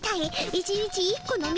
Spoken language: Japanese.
１日１個の道？